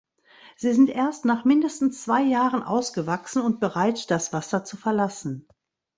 Sie sind erst nach mindestens zwei Jahren ausgewachsen und bereit, das Wasser zu verlassen.